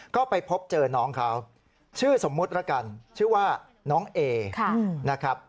ก็ไปพบเจอน้องเขาชื่อสมมุติแล้วกันชื่อว่าน้องเอนะครับ